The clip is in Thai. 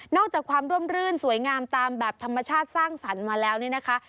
จากความร่มรื่นสวยงามตามแบบธรรมชาติสร้างสรรค์มาแล้วนี่นะคะ